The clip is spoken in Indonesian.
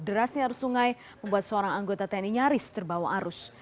derasnya arus sungai membuat seorang anggota tni nyaris terbawa arus